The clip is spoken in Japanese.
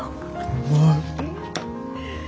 うまい！